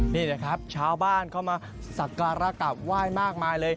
นี่นะครับชาวบ้านเข้ามาสักการะกลับไหว้มากมายเลย